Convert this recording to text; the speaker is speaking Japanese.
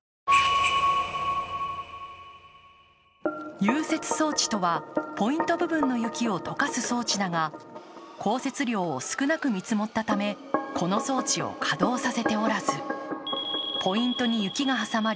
融雪装置とは、ポイント部分の雪を解かす装置だが、降雪量を少なく見積もったためこの装置を稼働させておらずポイントに雪が挟まり